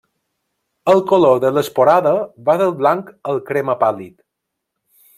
El color de l'esporada va del blanc al crema pàl·lid.